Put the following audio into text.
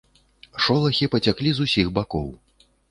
Шолахі пацяклі з усіх бакоў.